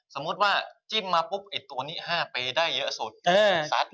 สมมุติว่าจิ้มมาปุ๊บไอ้ตัวนี้๕ปีได้เยอะสุดซัด